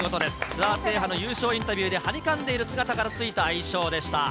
ツアー制覇の優勝インタビューで、はにかんでいる姿から付いた愛称でした。